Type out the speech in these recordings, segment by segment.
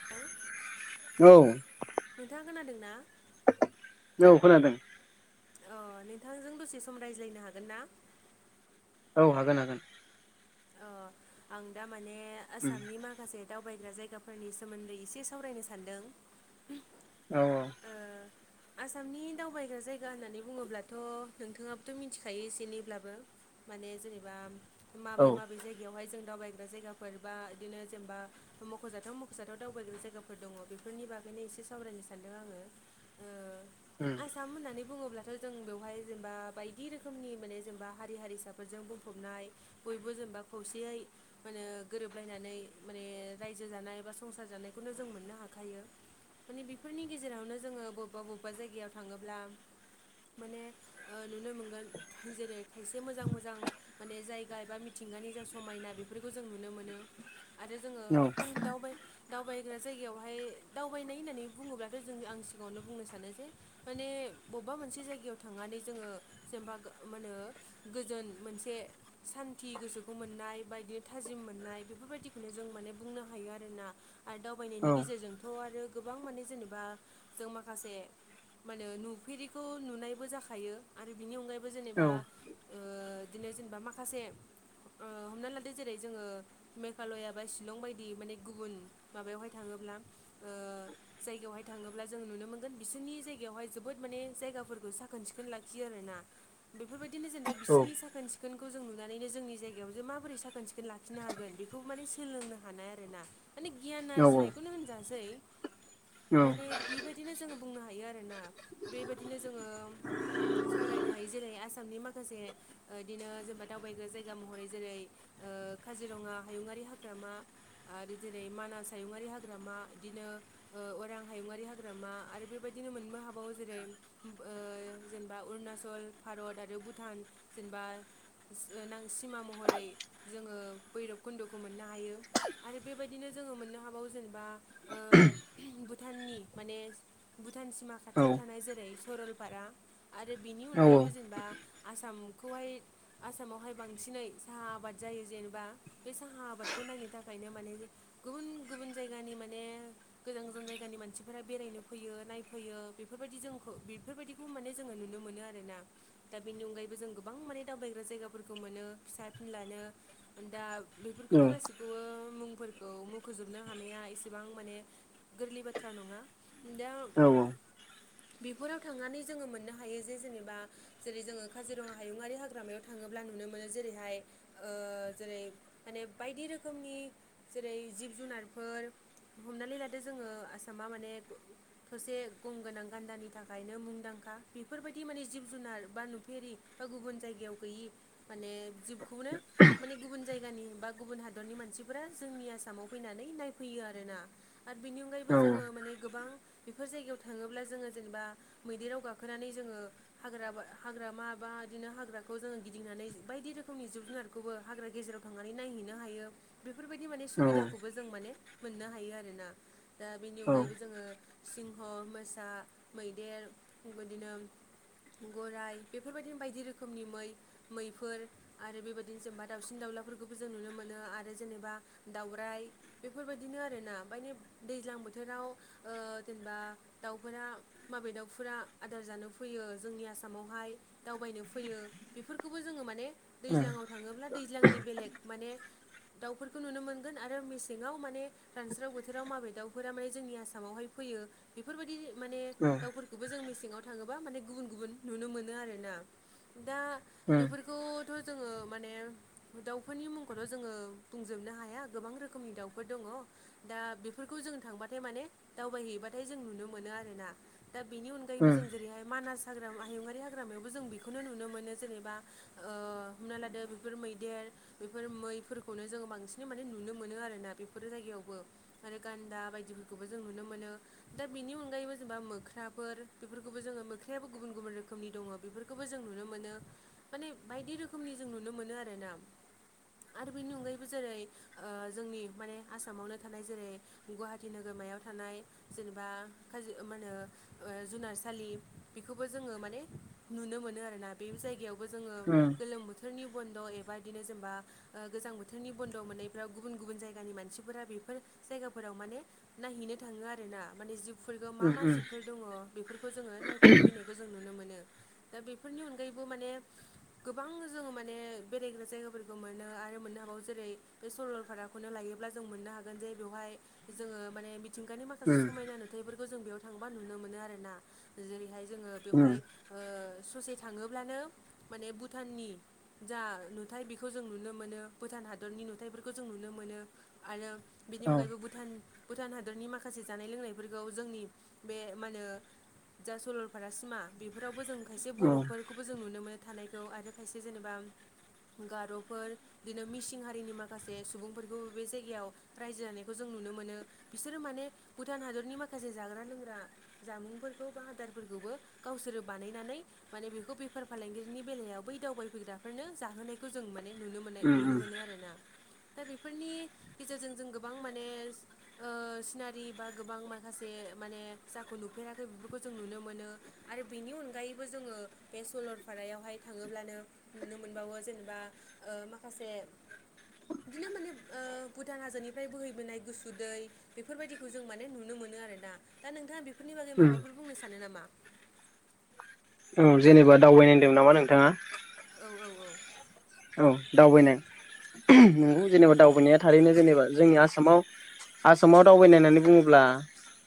[unintelligible] औ नोंथाङा खोनादों ना? औ खोनादों। अ नोंथांजों दसे सम रायज्लायनो हागोन ना? औ हागोन हागोन। अ आं दा माने उम आसामनि माखासे दावबायग्रा जायगाफोरनि सोमोन्दै एसे सावरायनो सानदों। औ औ ओ आसामनि दावबायग्रा जायगा होननानै बुङोब्लाथ' नोंथाङाबोथ' मिथिखायो एसे एनैब्लाबो। माने जेनेबा औ माबे मा बे जायगायावहाय जों दावबायग्रा जायगाफोर बा इदिनो जेनेबा मख'जाथाव मख'जाथाव दावबायग्रा जायगाफोर दङ बेफोरनि बागैनो एसे सावरायनो सानदों आङो। ओ उम आसाम होननानै बुङोब्लाथ' जों बेवहाय जेनबा बायदि रोखोमनि माने जेनबा हारि हारिसाफोरजों बुंफबनाय बयबो जेनबा खौसेयै माने गोरोबलायनानै माने रायजो जानाय बा संसार जानायखौनो जों मोननो हाखायो। माने बेफोरनि गेजेरावनो जोङो बबेबा बबेबा जायगायाव थाङोब्ला माने ओ नुनो मोनगोन जेरै खायसे मोजां मोजां माने जायगा एबा मिथिंगानि जा समायना बेफोरखौ जों नुनो मोनो। आरो जोङो औ दावबाय दावबायग्रा जायगायावहाय दावबायनाय होननानै बुङोब्लाथ' जों आं सिगाङावनो बुंनो सानो जे माने बबेबा मोनसे जायगायाव थांनानै जोङो जेनेबा मा होनो गोजोन मोनसे सान्थि गोसोखौ मोननाय बाइदि थाजिम मोननाय बेफोरबायदिखौनो जों माने बुंनो हायो आरोना। आरो औ दावबायनायनि गेजेरजोंथ' आरो गोबां माने जेनेबा जों माखासे माखासे म होनो नुफेरिखौ नुनायबो जाखायो आरो बिनि अनगायैबो औ जेनेबा बिदिनो जेनेबा माखासे हमना लादो जेरै जोङो मेघालया बा शिलं बायदि माने गुबुन माबायावहाय थाङोब्ला ओ जायगायावहाय थाङोब्ला जों नुनो मोन [unintelligible] बिसोरनि जायगायावहाय जोबोद माने जायगाफोरखौ साखोन सिखोन लाखियो आरोना। बेफोरबायदिनो जेनेबा बिसिनि साखोन सि खोनखौ जों नुनानैनो जोंनि जायगायाव जे माबोरै साखोन सिखोन लाखिनो हागोन बेखौ माने सोलोंनो हानाय आरोना। माने गियान औ आरजिनायखौनो होनजासै माने बेबायदिनो जोङो बुंनो हायो आरोना बेबायदिनो जोङो सावरायनो हायो जेरै आसामनि माखासे बिदिनो जेनेबा दावबायग्रा जायगा महरै जेरै काजिरङा हायुङारि हाग्रामा आरो जेरै मानास हायुङि हाग्रामा बिदिनो अरां हायुङारि हाग्रामा आरो बेबायदिनो मोनबो हाबावो जेरै जेनेबा अरुनााचल भारत आरो भुटान जेनेबा ां सिमा महरै जोङो भैरब खुन्द'खौ मोननो हायो आरो बेबायदिनो जोङो मोननो हाबावो जेनेबा भुटाननि माने भुटान सिमा खाथियाव थानाय जेरै सरलपारा आरो बेनि अनगायैबो जेनेबा आसामखौहाय आसामावहाय बांसिनै साहा आबाद जायो जेनेबा बे साहा आबादखौ नायनो थाखायनो माने गुबुन गुबुन जायगानि माने गोजान गोजान जायगानि मानसिफोरा बेरायनो फैयो नायफैयो बेफोरबायदि जोंखौ बेफोरबायदिखौ माने जोङो नुनो मोनो आरोना दा बेनि अनगायैबो जों गोबां माने दावबायग्रा जायगाफोरखौ मोनो फिसा फिन लानो दा बेफोरखौथ' गासिबो बे खौबो मुंफोरखौ मुख'जोबनो हानाया इसेबां माने गोरलै बाथ्रा नङा दा बेफोराव थांनानै जोङो मोननो हायो जे जेनेबा जेरै जोङो काजिरङा हायुङारि हाग्रामायाव थाङोब्ला नुनो मोनो जेरैहाय जेरै माने बायदि रोखोमनि जेरै जिब जुनारफोर हमनानै लादो जोङो आसामा माने ससे गंगोनां गान्दानि थाखायनो मुंदांखा बेफोरबायदि माने जिब जुनार बा नुफेरि बा गुबुन जायगायाव गैयि माने जिबखौनो माने गुबुन जायगानि बा गुबुन हादरनि मानसिफोरा जोंनि आसामाव फैनानै नायफैयो आर ना आरो बिनि अनगायैबो जोङो माने गोबां बेफोर जायगायाव थाङोब्ला जोङो जेनेबा मैदेराव गाखोनानै जोङो हाग्रा हाग्रा माबा बिदिनो हाग्राखौ जोङो गिदिंनानै बायदि रोखोमनि जोबगदों आरोखि बे खौबो हाग्रा गेजेराव थांनानै नायहैनो हायो बेफोरबायदि माने सुबिदाखौबो जों माने मोननो हायो आरोना दा बेनि अनगायैबो जोङो सिंह मोसा मैदेर बेबायदिनो गराइ बेफोरबायदिनो बायदि रोखोमनि मै मैफोर आरो बेबायदिनो जेनेबा दाउसिन दाउलाफोरखौबो जों नुनो मोनो आरो जेनेबा दावराइ बेफोरबायदिनो आरोना मानि दैज्लां बोथोराव जेनेबा दाउफोरा माबे दाउफोरा आदार जानो फैयो जोंनि आसामावहाय दावबायनो फैयो बेफोरखौबो जोङो माने औ दैज्लङाव थाङोब्ला दैज्लांनि बेलेग माने दाउफोरखौ नुनो मोनगोन आरो मेसेङाव माने रानस्रिाव बोथोराव माबे दाउफोरा माने जोंनि आसामावहाय फैयो बेफोरबायदि माने औ दाउफोरखौबो जों मेसेङाव थाङोबा माने गुबुन गुबुन नुनो मोनो आरोना दा उम बेफोरखौथ' जोङो माने दाउफोरनि मुंखौथ' जोङो बुंजोबनो हाया गोबां रोखोमनि दाउफोर दङ दा बेफोरखौ जों थांबाथाय माने दावबायहैबाथाय जों नुनो मोनो आरोना दा बेनि उम अनगायैबो जों जेरैहाय मानास हाग्रा हायुङारि हाग्रामायावबो जों बेखौनो नुनो मोनो जेनेबा। ओ हमना लादो बेफोर मैदेर बेफोर मैफोरखौनो जोङो बांसिनै माने नुनो मोनो आरोना बेफोरो जायगायावबो। आरो गान्दा बायदिफोरखौबो जों नुनो मोनो दा बेनि अनगायैबो जेनेबा मोख्राफोर बेफोरखौबो जोङो मोख्रायाबो गुबुन गुबुन रोखोमनि दङ बेफोरखौ खौबो जों नुनो मोनो माने बायदि रोखोमनि जों नुनो मोनो आरोना आरो बेनि अनगायैबो जेरै ओ जोंनि माने आसामावनो थानाय जेरै गुवाहाटि नोगोरमायाव थानाय जेनेबा खाजि मा होनो ओ जुनारसालि बेखौबो जोङो माने नुनो मोनो आरोना बे जायगायावबो जोङो उम गोलोम बोथोरनि बन्द' एबा इदिनो जेनेबा ओ गोजां बोथोरनि बन्द' मोननायफ्राव गुबुन गुबुन जायगानि मानसिफोरा बेफोर जायगाफोराव माने नायहैनो थाङो आरोना माने जिबफोरखौ उम मा मा उम जिबफोर दङ बेफोरखौ जोङो नायफैनो फैनाय जों नुनो मोनो दा बेफोरनि अनगायैबो माने गोबां जोङो माने बेरायग्रा जायगाफोरखौ मोनो आरो मोननो हाबावो जेरै बे सरलपाराखौनो लायोब्ला जों मोननो हागोन जे बेवहाय जोङो माने [unintelligible] गानि माखासे उम समायना नुथायफोरखौ जों बेयाव थांबा नुनो मोनो आरोना जेरैहाय जोङो उम बेवहाय ओ ससे थाङोब्लानो माने भुटाननि जा नुथाय बेखौ जों नुनो मोनो भुटान हादरनि नुथायाइफोरखौ जों नुनो मोनो। आरो बिनि औ औ अनगायैबो भुटान भुटान हा दोरनि माखासे जानाय लोंनायफोरखौ जोंनि बे मा होनो जा सलरपारा सिमा बेफोरावबो जों खायसे उम बर'फोरखौ बो जों नुनो मोनो थानायखौ आरो खायसे जेनेबा गार'फोर बिदिनो मिसिं हारिनि माखासे सुबुंफोरखौ बे जायगायाव रायजो जानायखौ जों नुनो मोनो। बिसोरो माने भुटान हादरनि माखासे जाग्रा लोंग्रा जामुंफोरखौ बा आदारफोरखौबो गावसोरो बानायनानै माने बेखौ बेफार फालांगिरिनि बेलायाव बै दावबायफैग्राफोरनो जाहोनाय खौ जों माने नुनो मोननाय उम नुनो मोनो आरोना। दा बेफोरनि गेजेरजों जों गोबां माने ओ सिनारि बा गोबां माखासे माने जाखौ नुफेराखै बेफोरखौ जों नुनो मोनो। आरो बेनि अनगायैबो जोङो बे सलरफारायावहाय थाङोब्लानो नुनो मोनबावो जेनेबा ओ माखासे बिदिनो माने ओ भुटान हाजोनिफ्राय बोहैबोनाय गुसु दै बेफोरबायदिखौ जों माने नुनो मोनो आरोना दा नोंथाङा बेफोरनि बागै उम माबाफोर बुंनो सानो नामा? औ जेनेबा दावबायनायदोंमोन नामा नोंथाङा? औ औ औ औ दावबायनाय [unintelligible] नंगौ जेनेबा दावबायनाया थारैनो जेनेबा जोंनि आसामाव आसामाव दावबायनाय होननानै बुङोब्ला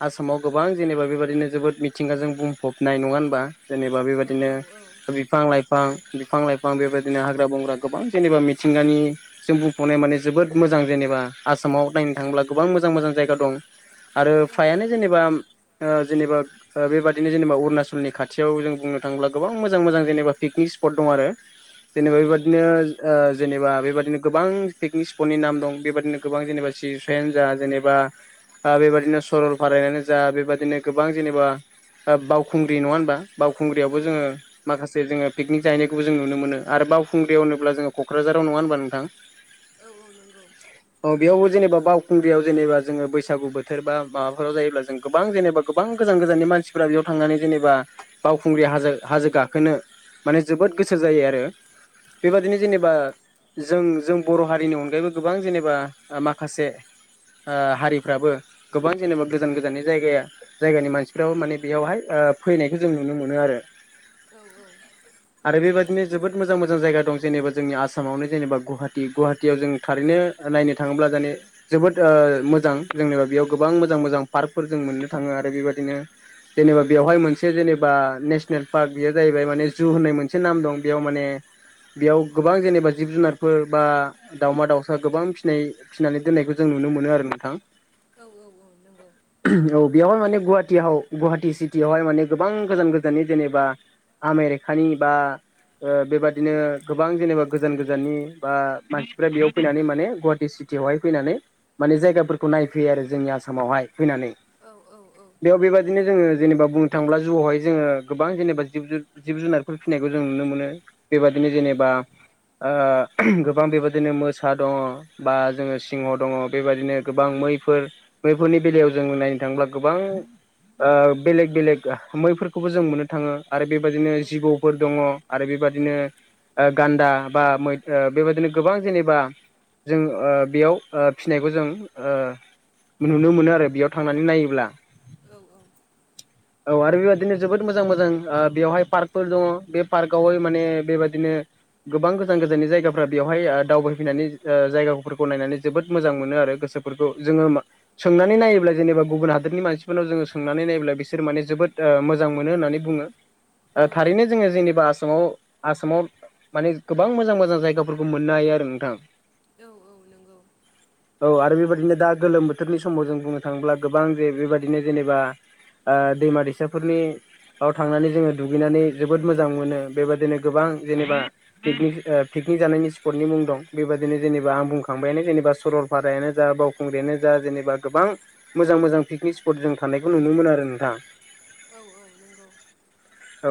आसामाव गोबां जेनेबा बेबादिनो जोबोद मिथिंगाजों बुंफबनाय नङा होनबा? जेनेबा औ बेबायदिनो औ औ बिफां लाइफां बिफां लाइफां बेबायदिनो हाग्रा बंग्रा गोबां जेनेबा मिथिंगानि जों बुंफ'नाय माने जोबोद मोजां जेनेबा आसामाव नायनो थांङोब्ला गोबां मोजां मोजां जायगा दं। आरो औ फ्रायानो जेनेबा ओ जेनेबा ओ बेबाददिनो जेनेबा अरुनाचलनि खाथियाव जों बुंनो थांङोब्ला गोबां मोजां मोजां जेनबा पिकनिक स्पट दं आरो। [inaudible] जेनेबा बेबा औ ओ ओ जेनेबा बेबदिनो गोबां पिकनिक स्पटनि नाम दं बेबदिनो गोबां जेनेबा [unintelligible] यानो जा जेनेबा आ बेबादिनो सरल फारायानो जा बेबादिनो गोबां जेनेबा ओ बावखुंग्रि नंङा होनबा? बावखुंग्रियावबो जोंङो औ माखासे जोंङो पिकनिक जाहैनायखौबो जों नुनो मोनो आरो बाव खुंग्रि‌ होनोब्ला जोंङो क'क्राझार नंङा होनबा नोंथां। औ औ नंगौ औ बेयावबो जेनेबा बावखुंग्रियाव जेनेबा जोंङो बैसागु बोथोर बा माबाफोराव जायोब्ला जों गोबां जेनेबा गोबां गोजान गोजाननि मानसिफोरा बेयाव थांनानै जेनेबा बावखुंग्रि हाजो हाजो गाखोनो माने जोबोद गोसो जायो आरो औ बेबादिनो औ जेनेबा जों जों बर' हारिनि अनगायैबो गोबां जेनेबा ओ माखासे ओ हारिफ्राबो गोबां जेनेबा गोजान गोजाननि जायगाया जायगानि मानसिफ्राबो माने बेयावहाय ओ फैनायखो जों नुनो मोनो आरो औ औ आरो बेबायदिनो जोबोद मोजां मोजां मोजां जायगा दं जेनेबा जोंनि आसामावनो जेनेबा गुवाहाटि गवाहाटियाव जों थारैनो नायनो थांङोब्ला जेने जोबोद ओ मोजां जोंनिबा बेयाव गोबां मोजां मोजां पार्कफोर जों मोननो थांङो आरो बेबायदिनो जेनेबा बेवहाय मोनसे जेनेबा नेसनेल पार्क बेयो जाहैबाय माने जु होननाय मोनसे नाम दं बेयाव माने बेयाव गोबां जेनेबा जिब जुनारफोर बा दावमा दाउसा गोबां फिनाय फिसिनानै दोननायखौ जों नुनो मोनो आरो नोंथां। औ औ औ नंगौ औ बेवयावहाय माने गुवाहाटियाव गुवाहाटि सिटियावहाय माने गोबां गोजान गोजाननि जेनेबा आमेरिकानि बा ओ बेबादि बिदिनो गोबां जेनेबा गोजान गोजाननि बा मानसिफ्रा बेयाव फैनानै माने गुवाहाटि सिटियावहाय फैनानै माने जायगाफोरखौ नायफैयो आरो जोंनि आसामावहाय फैनानै। औ औ औ बेयाव बेबायदिनो जोंङो जेनेबा बुंनो थांयोब्ला जुआवहाय जोंङो गोबां जेनेबा जिब जुन जिब जुनारफोर फिसिनायखौ जों नुनो मोनो बेबादिनो उम जेनेबा ओ गोबां बेबायदिनो मोसा दंङ बा जोंङो सिंह दंङ बेबायदिनो गोबां मैफोर बेैफोरनि बेलायाव जों नायनो थांङोब्ला गोबां ओ बेलेग बेलेग मैफोरखौबो जों मोननो थांङो। आरो बेबदिनो औ जिबौफोर दंङ आरो बेबादि औ ओ गान्दा बा मै बेबादिनो गोबां जेनेबा जों ओ बेयाव ओ फिसिनायखौ जों ओ नुनो मोनो आरो बेयाव थांनानै नायोब्ला औ औ औ आरो बेबायदिनो जोबोद मोजां मोजां बेवहाय पार्कफोर दंङ बे पार्कआवहाय माने बेबायदिनो गोबां गोजान गोजाननि जायगाफ्रा बेवहाय ओ दावबायफैनानै ओ जायगाफोरखौ नायनानै जोबोद मोजां मोनो आरो गोसो फोरखौ जोंङो मा सोंनानै नायोब्ला जेनेबा गुबुन हादरनि मानसिफोरनाव जोंङो सोंनानै नायोब्ला बिसोर माने जबोद मोजां मोन होननानै बुंङो औ ओ थारैनो जोंङो जेनेबा आसामाव आसामाव माने गोबां मोजां मोजां जायगाफोरखौ मोननो हायो आरो नोंथां। औ औ नंगौ औ आरो बेबायदिनो दा गोलोम बोथोरनि समाव जों बुंनो थांङोब्ला गोबां जे बेबायदिनो जेनेबा ओ दैमा दैसाफोरनि आव थांनानै जोङो दुगैनानै जोबोद मोजां मोनो। बेबादिनो गोबां जेनेबा पिकनिक ओ पिकनिक जानायनि स्पटनि मुं दं बेबायदिनो जेनेबा आं बुंखांबायानो जेनेबा सरलपारायानो जा बाव खुंग्रियानो जा जेनेबा गोबां मोजां मोजां पिकनिक स्पट जों थानायखौ नुनो मोनो आरो नोंथां। औ औ नंगौ। औ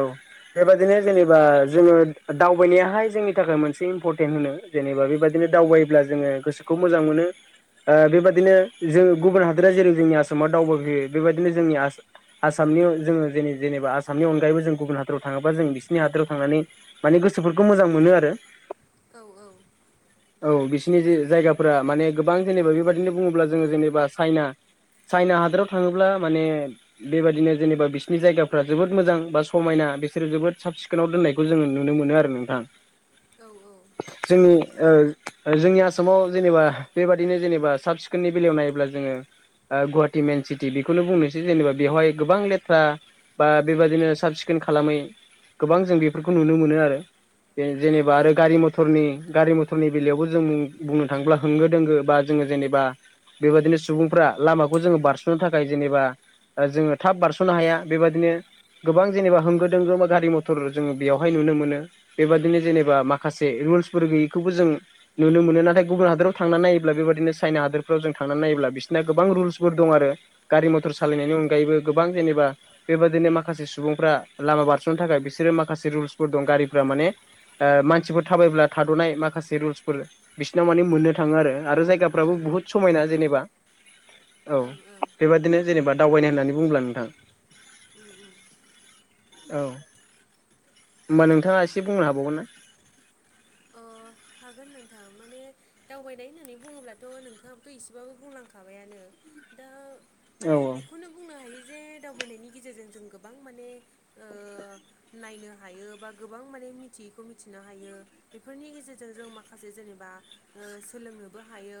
बेबादिनो जेनेबा जोङो दावबायनायाहाय जोंनि थाखाय मोनसे इम्परटेन्ट होनो जेनेबा बेबादिनो दावबायोब्ला जोङो गोसोखौ मोजां मोनो। ओ बेबायदिनो जों गुबुन हादोरा जेरै जोंनि आसामाव दावबायफैयो बेबायदिनो जोंनि आसाम आसामनियाव जोङो जेने जेनेबा आसामनि अनगायैबो जों गुबुन हादराव थाङोबा जों बिस नि हादोराव थांनानै माने गोसोफोरखौ मोजां मोनो आरो। औ औ औ बिसिनि जे जायगाफोरा माने गोबां जेनेबा बेबादिनो बुङोब्ला जोङो जेनेबा चाइना चाइना हादराव थाङोब्ला माने बेबादिनो जेनेबा बिसिनि जायगाफ्रा जोबोद मोजां बा समायना बिसोरो जोबोद साब सिखोनाव दोननायखौ जोङो नुनो मोनो आरो नोंथां। औ औ जोंनि ओ ओ जोंनि आसामाव जेनेबा बेबादिनो जेनेबा साब सिखोननि बेलायाव नायोब्ला जोङो ओ गुवाहाटी मेन सिटि बेखौनो बुंनोसै जेनेबा बेवहाय गोबां लेथ्रा बा बेबादिनो साब सिखोन खालामै गोबां जों बेफोरखौ नुनो मोनो आरो बे जेनेबा आरो गारि म थरनि गारि मथरनि बेलायावबो जों बुं बुंनो थाङोब्ला होंगो दोंगो बा जोङो जेनेबा बेबादिनो सुबुंफ्रा लामाखौ जोङो बारस'नो थाखाय जेनेबा ओ जोङो थाब बारस'नो हाया बेबादिनो गोबां जेनेबा होंगो दोंगो बा गारि म थर जोङो बेयावहाय नुनो मोनो बेबादिनो जेनेबा माखासे रुल्सफोर गैयैखौबो जों नुनो मोनो नाथाय गुबुन हादोराव थांना नायोब्ला बेबादिनो चाइना हादोरफ्राव जों थांना नायोब्ला बिसोरना गोबां रुल्सफोर दङ' आरो। गारि मथर सालायनायनि अनगायैबो गोबां जेनेबा बेबादिनो माखासे सुबुंफ्रा लामा बारस'नो थाखाय बिसोरो माखासे रुल्सफोर दं गारिफ्रा माने ओ मानसिफोर थाबायब्ला थाद'नाय माखासे रुल्सफोर बिसोरनाव माने मोननो थाङो आरो आरो जाय औ ओं गाफ्राबो बुहुत समायना जेनेबा औ उम बेबादिनो जेनेबा दावबायनाय होननानै बुंङोब्ला नोंथां ओं ओं औ होमबा नोंथाङा एसे बुंनो हाबावगोन ना? ओ हागोन नोंथां माने दावबायनाय होननानै बुङोब्लाथ' नोंथाङाबोथ' एसेबाबो बुंलांखाबायानो दा औ माने औ बेखौनो बुंनो हायो जे दावबायनायनि गेजेरजों जों गोबां माने ओ नायनो हायो बा गोबां माने मिथियैखौ मिथिनो हायो बेफोरनि गेजेर जों जों माखासे जेनेबा ओ सोलोंनोबो हायो।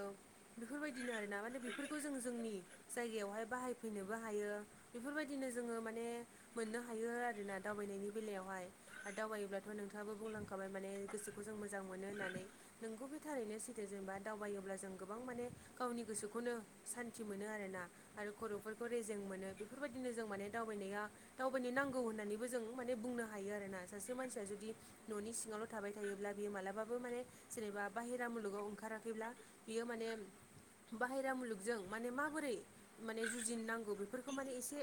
बेफोरबायदिनो आरोना माने बेफोरखौ जों जोंनि जायगायावहाय बाहायफैनोबो हायो। बेफोरबायदिनो जोङो माने मोननो हायो आरोना दावबायनायनि बेलायावहाय। आरो दावबायोब्लाथ' नोंथाङाबो बुंलांखाबाय माने गोसोखौ जों मोजां मोनो होननानै। नंगौ बे थारैनो सैथो जेनेबा दावबायोब्ला जों गोबां माने गावनि गोसोखौनो सान्थि मोनो आरोना। आरो खर'फोरखौ रेजें मोनो बेफोरबायदिनो जों माने दावबायनाया दावबायनो नांगौ होननानैबो जों माने बुंनो हायो आरोना सासे मानसिया जुदि न'नि सिङावल' थाबाय थायोब्ला बेयो मालाबा बो माने जेनेबा बाहेरा मुलुगाव ओंखाराखैब्ला बियो माने बाहेरा मुलुगजों माने माबोरै माने जुजिनो नांगौ बेफोरखौ माने एसे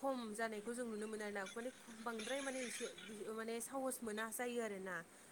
खम जानायखौ जों नुनो मोनो आरोना माने बांद्राय माने इसो ओ माने साहस मोना जायो आरोना।